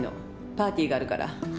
パーティーがあるから。